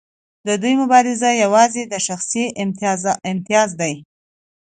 د دوی مبارزه یوازې د شخصي امتیاز ده.